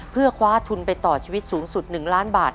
เพื่อคว้าทุนไปต่อชีวิตสูงสุด๑ล้านบาท